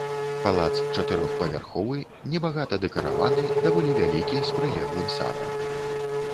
Палац чатырохпавярховы, небагата дэкараваны, даволі вялікі, з прылеглым садам.